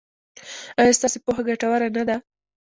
ایا ستاسو پوهه ګټوره نه ده؟